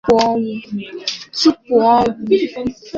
Tupu ọ nwụọ